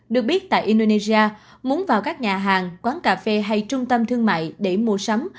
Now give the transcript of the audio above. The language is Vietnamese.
được biết tại indonesia muốn vào các nhà hàng quán cà phê hay trung tâm thương mại để mua sắm